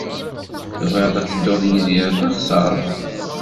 Tebɣiḍ ad tedduḍ yid-i ar teɣsert?